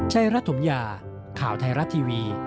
รัฐถมยาข่าวไทยรัฐทีวี